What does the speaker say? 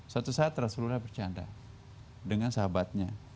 suatu saat rasulullah bercanda dengan sahabatnya